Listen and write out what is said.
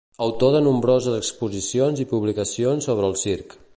Autor de nombroses exposicions i publicacions sobre el circ.